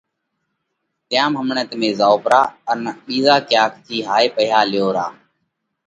تيام همڻئہ تمي زائو پرا ان ٻِيزا ڪياڪ ٿِي هائي پئِيها ليو را۔